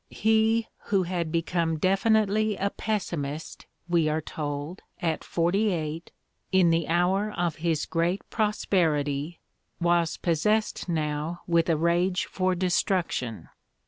He who had become definitely a pessimist, we are told, at forty eight, in the hour of his great prosperity, was possessed now with a rage for destruction.